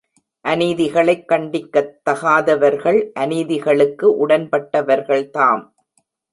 அநீதிகளைக் கண்டிக்கத்தகாதவர்கள் அநீதிகளுக்கு உடன்பட்டவர்கள் தாம்.